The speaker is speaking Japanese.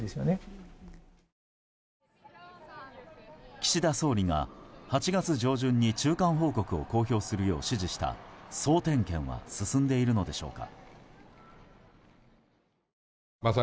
岸田総理が８月上旬に中間報告を公表するよう指示した総点検は進んでいるのでしょうか。